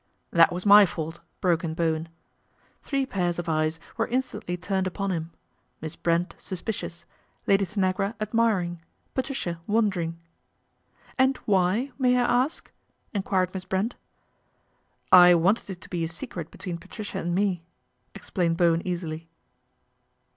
" That was my fault," broke in Bowen. Three pairs of eyes were instantly turned uponi him. Miss Brent suspicious, Lady Tanagra ad miring, Patricia wondering. " And why, may I ask ?" enquired Miss Brent. <!" I wanted it to be a secret between Patricia and me," explained Bowen easily.